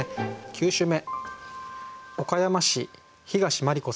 ９首目。